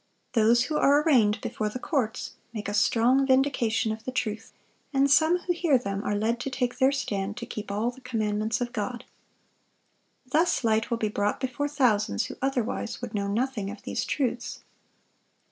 Those who are arraigned before the courts, make a strong vindication of the truth, and some who hear them are led to take their stand to keep all the commandments of God. Thus light will be brought before thousands who otherwise would know nothing of these truths.